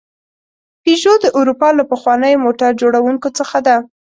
پيژو د اروپا له پخوانیو موټر جوړونکو څخه ده.